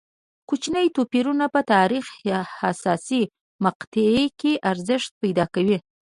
کوچني توپیرونه په تاریخ حساسې مقطعې کې ارزښت پیدا کوي.